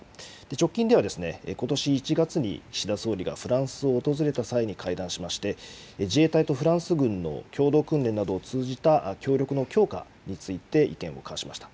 直近ではことし１月に岸田総理がフランスを訪れた際に会談しまして、自衛隊とフランス軍の共同訓練などを通じた協力の強化について意見を交わしました。